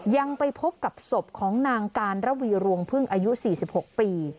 ยังไปพบกับศพของนางการระวีรวงพึ่งอายุ๔๖ปี